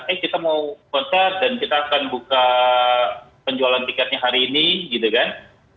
eh kita mau konser dan kita akan buka penjualan tiketnya hari ini gitu kan